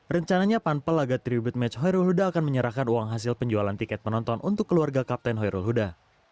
rencananya panpel laga tribute match hoi rul huda akan menyerahkan uang hasil penjualan tiket penonton untuk keluarga kapten hoi rul huda